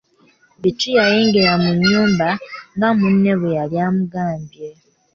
Bittu yayingira mu nnyumba nga munne bwe yali amugambye.